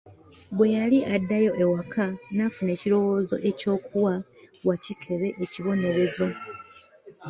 Bwe yali addayo ewaka n'afuna ekirowoozo eky'okuwa Wakikere ekibonerezo.